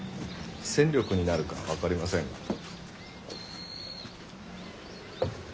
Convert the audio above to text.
戦力になるか分かりませんが。